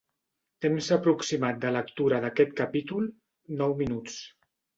Temps aproximat de lectura d'aquest capítol: nou minuts.